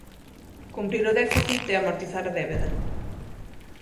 Cumprir o déficit e amortizar débeda.